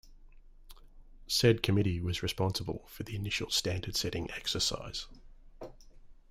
Said committee was responsible for the initial standard setting exercise.